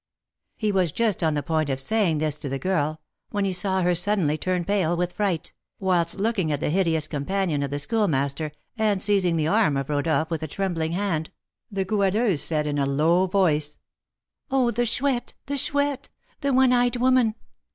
He was just on the point of saying this to the girl, when he saw her suddenly turn pale with fright, whilst looking at the hideous companion of the Schoolmaster, and seizing the arm of Rodolph with a trembling hand, the Goualeuse said, in a low voice: "Oh, the Chouette! the Chouette! the one eyed woman!"